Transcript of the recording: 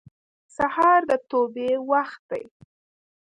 سهار د توبې وخت دی.